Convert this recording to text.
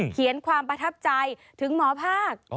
เขียนความประทับใจถึงหมอภาค